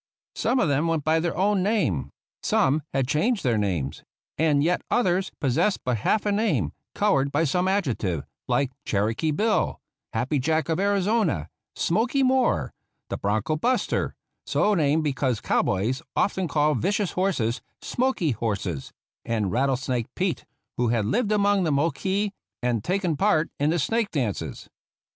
Some of them went by their own name ; some had »9 THE ROUGH RIDERS changed their names; and yet others possessed but half a name, colored by some adjective, like Cherokee Bill, Happy Jack of Arizona, Smoky Moore, the bronco buster, so named because cow boys often call vicious horses "smoky" horses, and Rattlesnake Pete, who had lived among the Moquis and taken part in the snake dances.